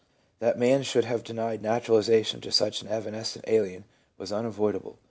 That man should have denied naturalization to such an evanescent alien was un avoidable.